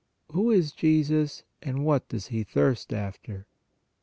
WHO is JESUS, AND WHAT DOES HE THIRST AFTER?